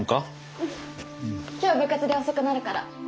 うん今日部活で遅くなるから。